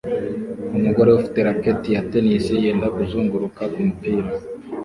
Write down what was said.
Umugore ufite racket ya tennis yenda kuzunguruka kumupira